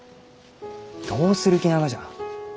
どうする気ながじゃ？